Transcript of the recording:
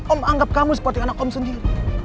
om anggap kamu seperti anak om sendiri